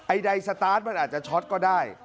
ใดสตาร์ทมันอาจจะช็อตก็ได้